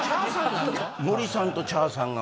森さんと茶さんが。